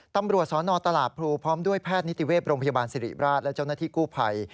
ตำรวจสนตลาดพลูพร้อมด้วยแพทย์นิติเวศโรงพยาบาลสิริราชและเจ้าหน้าที่กู้ภัย